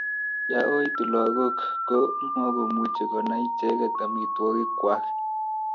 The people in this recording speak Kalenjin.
ya oitu lagoik ko mukumuchi konaichigei amitwogikwak.